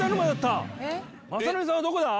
雅紀さんはどこだ？